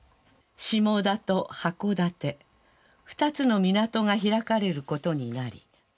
「下田と函館２つの港が開かれることになり」。